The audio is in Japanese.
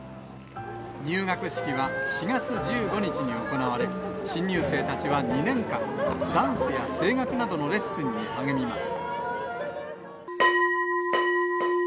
入学式は４月１５日に行われ、新入生たちは２年間、ダンスや声楽などのレッスンに励みます。